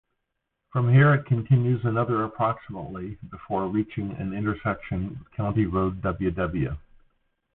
From here it continues another approximately before reaching an intersection with County Road Ww.